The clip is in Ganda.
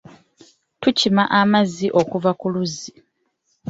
Tukima amazzi okuva ku luzzi.